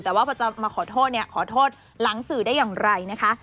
แต่ว่าพอจะมาขอโทษเนี่ยขอโทษหลังสื่อได้อย่างไรนะคะ